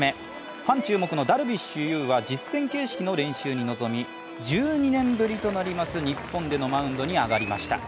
ファン注目のダルビッシュ有は実戦形式の練習に臨み１２年ぶりとなります日本でのマウンドに上がりました。